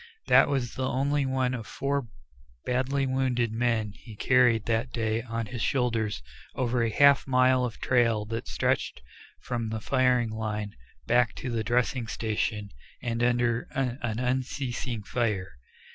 That was only one of four badly wounded men he carried that day on his shoulders over a half mile of trail that stretched from the firing line back to the dressing station and under an unceasing fire.